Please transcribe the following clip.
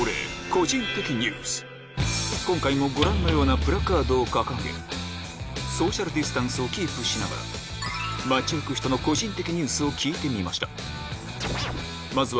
今回もご覧のようなプラカードを掲げソーシャルディスタンスをキープしながら街行く人のまずはまた。